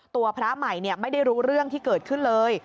พระใหม่ไม่ได้รู้เรื่องที่เกิดขึ้นเลย